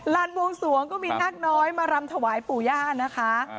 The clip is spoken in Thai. บวงสวงก็มีนาคน้อยมารำถวายปู่ย่านะคะ